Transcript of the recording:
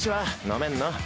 飲めんの？